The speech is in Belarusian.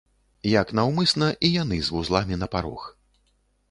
Як наўмысна, і яны з вузламі на парог.